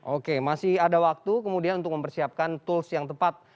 oke masih ada waktu kemudian untuk mempersiapkan tools yang tepat